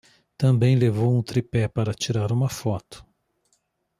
Também levou um tripé para tirar uma foto